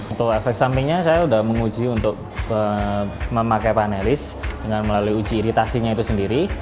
untuk efek sampingnya saya sudah menguji untuk memakai panelis dengan melalui uji iritasinya itu sendiri